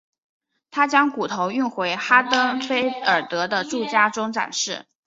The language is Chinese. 他将骨头运回哈登菲尔德的住家中展示。